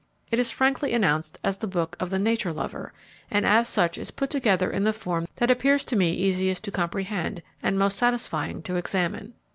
It is frankly announced as the book of the Nature Lover, and as such is put together in the form that appears to me easiest to comprehend and most satisfying to examine.